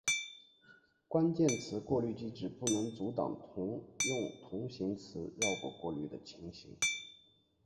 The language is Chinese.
关键词过滤机制不能阻挡用同形词绕过过滤的情形。